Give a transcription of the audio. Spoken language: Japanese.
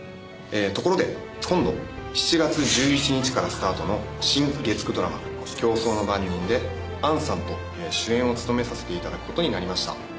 ところで今度７月１１日からスタートの新月９ドラマ『競争の番人』で杏さんと主演を務めさせていただくことになりました。